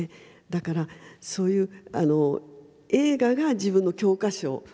だからそういう映画が自分の教科書でした。